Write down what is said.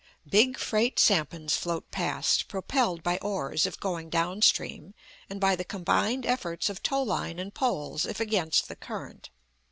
Big freight sampans float past, propelled by oars if going down stream, and by the combined efforts of tow line and poles if against the current.